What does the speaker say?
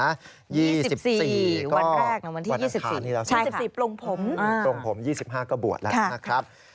๒๔วันแรกวันที่๒๔ปรงผม๒๕ก็บวชแล้วนะครับ